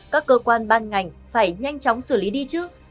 các cơ quan ban ngành phải nhanh chóng xử lý đi trước